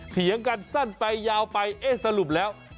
เถียงกันสั้นไปยาวไปเอ๊ะสรุปแล้ว